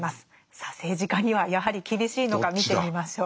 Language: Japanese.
さあ政治家にはやはり厳しいのか見てみましょう。